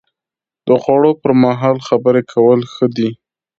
د خوړو پر مهال خبرې کول ښه دي؟